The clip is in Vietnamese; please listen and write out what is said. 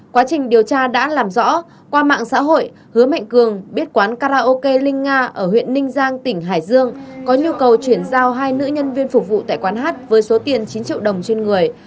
quá trình điều tra đã làm rõ qua mạng xã hội hứa mạnh cường biết quán karaoke linh nga ở huyện ninh giang tỉnh hải dương có nhu cầu chuyển giao hai nữ nhân viên phục vụ tại quán hát với số tiền chín triệu đồng trên người